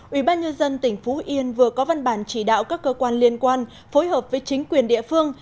ubnd tỉnh phú yên vừa có văn bản chỉ đạo các cơ quan liên quan phối hợp với chính quyền địa phương